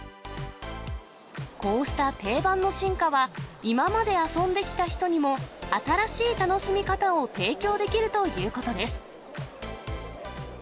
こうした定番の進化は、今まで遊んできた人にも新しい楽しみ方を提供できるということです。